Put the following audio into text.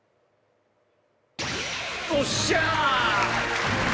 おっしゃー！